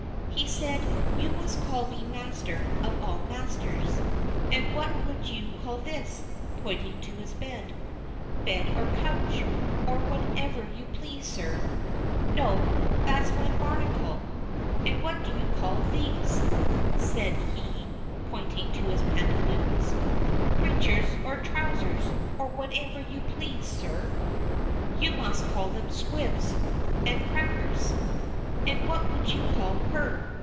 He said: "You must call me 'Master of all Masters.' And what would you call this?" pointing to his bed. "Bed or couch, or whatever you please, sir." "No, that's my 'barnacle.' And what do you call these?" said he, pointing to his pantaloons. "Breeches or trousers, or whatever you please, sir." "You must call them 'squibs and crackers.' And what would you call her?"